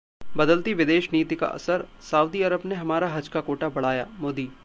बदलती विदेश नीति का असर, सऊदी अरब ने हमारा हज का कोटा बढ़ाया: मोदी